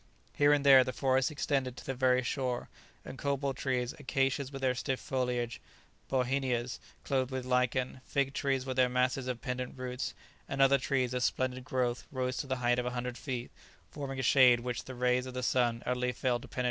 Here and there the forest extended to the very shore, and copal trees, acacias with their stiff foliage, bauhinias clothed with lichen, fig trees with their masses of pendant roots, and other trees of splendid growth rose to the height of a hundred feet, forming a shade which the rays of the sun utterly failed to penetrate.